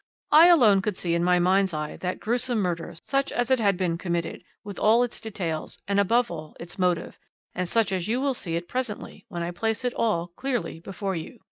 I alone could see in my mind's eye that gruesome murder such as it had been committed, with all its details, and, above all, its motive, and such as you will see it presently, when I place it all clearly before you.